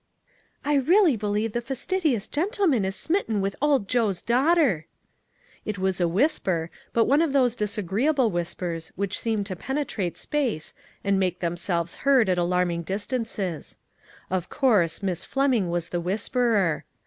"I really believe the fastidious gentleman is smitten with Old Joe's daughter !" It was a whisper, but one of those disa greeable whispers which seem to penetrate space and make themselves heard at alarm IO2 ONE COMMONPLACE DAY. ing distances. Of course, Miss Fleming was the whisperer.